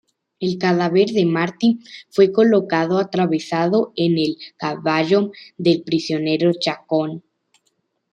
El cadáver de Martí fue colocado atravesado en el caballo del prisionero Chacón.